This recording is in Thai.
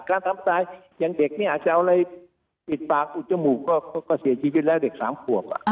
การทำตายอย่างเด็กเนี่ยอาจจะเอาอะไรปิดปากอุดจมูกก็เสียชีวิตแล้วเด็ก๓ขวบ